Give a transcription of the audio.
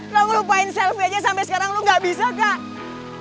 lu lupain selfie aja sampe sekarang lu gak bisa kak